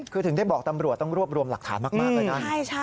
คือถึงได้บอกตำรวจต้องรวบรวมหลักฐานมากเลยนะ